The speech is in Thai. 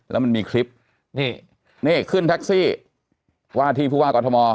แล้วมันมีคลิปนี่ขึ้นแท็กซี่ว่าที่ภูมิภาคอร์ธม